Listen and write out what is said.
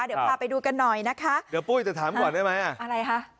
เดี๋ยวพาไปดูกันหน่อยนะคะเดี๋ยวปุ้ยจะถามก่อนได้ไหมอ่ะอะไรคะ